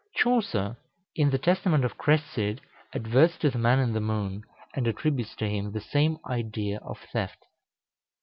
Chaucer, in the "Testament of Cresside," adverts to the man in the moon, and attributes to him the same idea of theft.